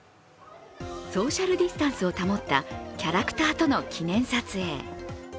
ソーシャルディスタンスを保ったキャラクターとの記念撮影。